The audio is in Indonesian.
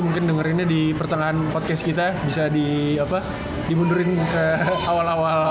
mungkin dengerinnya di pertengahan podcast kita bisa di apa dibundurin ke awal awal